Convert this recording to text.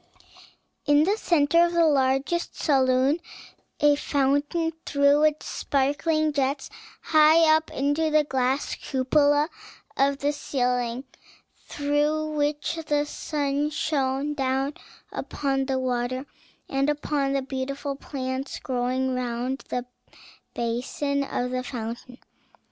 In the centre of the largest saloon a fountain threw its sparkling jets high up into the glass cupola of the ceiling, through which the sun shone down upon the water and upon the beautiful plants growing round the basin of the fountain.